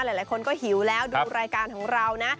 หลายคนก็หิวแล้วดูรายการของเรานะ